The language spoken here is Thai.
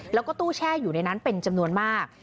แล้วก็ตู้แช่อยู่ในนั้นเป็นจำนวนมาก